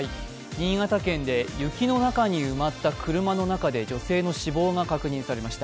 新潟県で雪の中に埋まった車の中で女性の死亡が確認されました。